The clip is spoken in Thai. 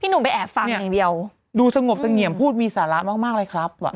พี่หนูไปแอบฟังอย่างเดียวดูสงบสงียมพูดมีสาระมากเลยครับ